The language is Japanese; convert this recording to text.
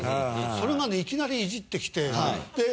それがねいきなりいじってきて。